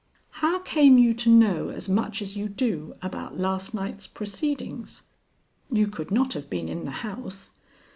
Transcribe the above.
How came you to know as much as you do about last night's proceedings? You could not have been in the house.